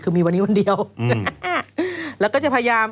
คือมีวันนี้วันเดียวแล้วก็จะพยายาม